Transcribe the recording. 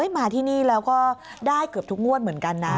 มาที่นี่แล้วก็ได้เกือบทุกงวดเหมือนกันนะ